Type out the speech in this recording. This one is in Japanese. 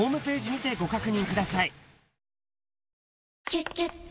「キュキュット」